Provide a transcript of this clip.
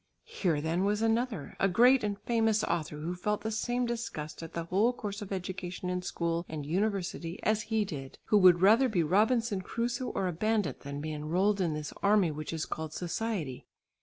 Here then was another, a great and famous author who felt the same disgust at the whole course of education in school and university as he did, who would rather be Robinson Crusoe or a bandit than be enrolled in this army which is called society.